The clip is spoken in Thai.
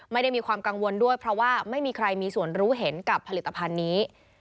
ไม่ได้มีความกังวลด้วยเพราะว่าไม่มีใครมีส่วนรู้เห็นกับผลิตภัณฑ์นี้